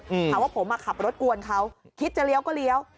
ถามว่าผมอ่ะขับรถกวนเขาคิดจะเลี้ยวก็เลี้ยว